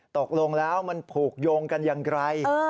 ตกลงแล้วมันผูกโยงกันอย่างไร